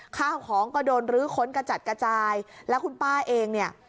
ข้าวของก็โดนรื้อค้นกระจัดกระจายแล้วคุณป้าเองเนี่ย